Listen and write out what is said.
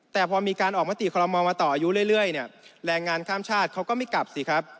แต่พอมีการออกมาติคอลโมมาต่ออายุเรื่อยเนี่ยแรงงานข้ามชาติเขาก็ไม่กลับสิครับ